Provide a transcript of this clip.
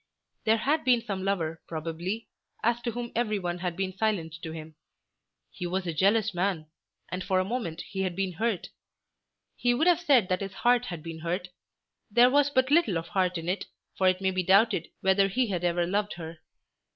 There had been some lover, probably, as to whom everyone had been silent to him. He was a jealous man, and for a moment he had been hurt. He would have said that his heart had been hurt. There was but little of heart in it, for it may be doubted whether he had ever loved her.